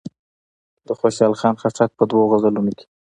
د خوشحال خان خټک په دوو غزلونو کې.